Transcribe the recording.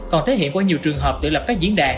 còn thể hiện qua nhiều trường hợp tự lập các diễn đàn